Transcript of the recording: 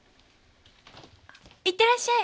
いってらっしゃい！